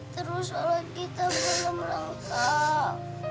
terus sholat kita belum lengkap